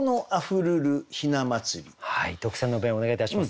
特選の弁をお願いいたします。